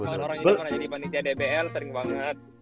orang jadi panitia dbl sering banget